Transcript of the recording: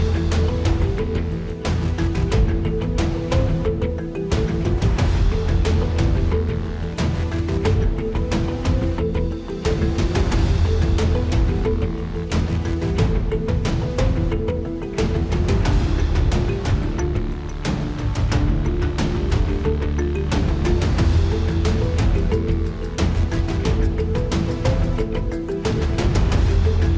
โปรดติดตามตอนต่อไป